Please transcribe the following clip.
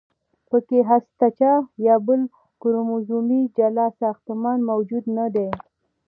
پکې هستچه یا بل کروموزومي جلا ساختمان موجود نه دی.